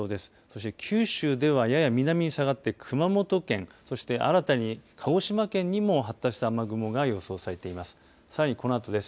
そして九州ではやや南に下がって、熊本県そして新たに鹿児島県にも発達した雨雲が予想されています。